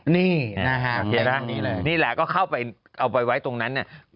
นี่นะฮะโอเคล่ะนี่แหละก็เข้าไปเอาไปไว้ตรงนั้นเนี่ย